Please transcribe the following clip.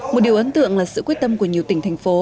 một điều ấn tượng là sự quyết tâm của nhiều tỉnh thành phố